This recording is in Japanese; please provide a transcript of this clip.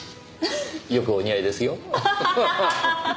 よくお似合いですよ。